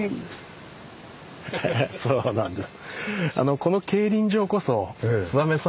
そうなんです。